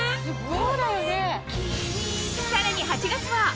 そうだよね。